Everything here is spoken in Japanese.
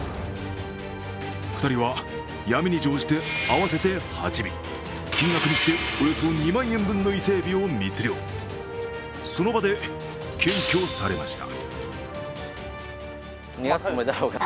２人は闇に乗じて合わせて８尾金額にしておよそ２万円分の伊勢えびを密漁、その場で検挙されました。